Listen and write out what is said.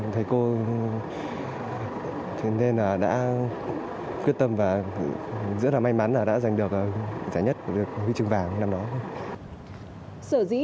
thế cô nên là đã quyết tâm và rất là may mắn là đã giành được giải nhất của huy trường vàng năm đó